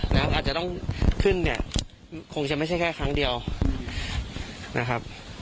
แล้วอาจจะต้องขึ้นเนี่ยคงจะไม่ใช่แค่ครั้งเดียวนะครับ